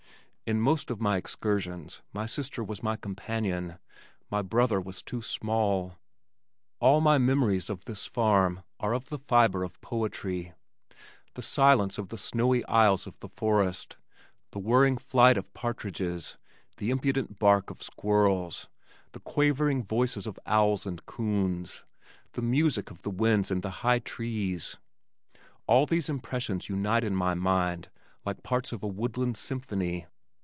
In most of my excursions my sister was my companion. My brother was too small. All my memories of this farm are of the fiber of poetry. The silence of the snowy aisles of the forest, the whirring flight of partridges, the impudent bark of squirrels, the quavering voices of owls and coons, the music of the winds in the high trees, all these impressions unite in my mind like parts of a woodland symphony.